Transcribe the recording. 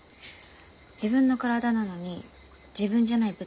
自分の体なのに自分じゃない別の命がね